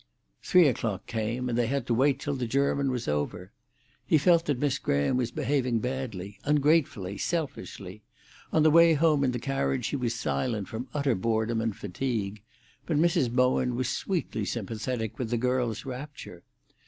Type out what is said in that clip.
Three o'clock came, and they had to wait till the german was over. He felt that Miss Graham was behaving badly, ungratefully, selfishly; on the way home in the carriage he was silent from utter boredom and fatigue, but Mrs. Bowen was sweetly sympathetic with the girl's rapture.